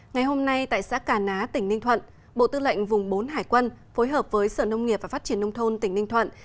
ngày hôm nay tại xã cà ná tỉnh ninh thuận bộ tư lệnh vùng bốn hải quân phối hợp với sở nông nghiệp và phát triển nông thôn tỉnh ninh thuận